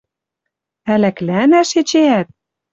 Ӓляклӓнӓш эчеӓт?!